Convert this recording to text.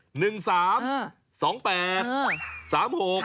โอ้เยอะนะนี่